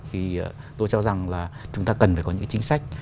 thì tôi cho rằng là chúng ta cần phải có những chính sách